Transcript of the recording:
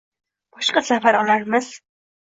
Boshqa safar olarmiz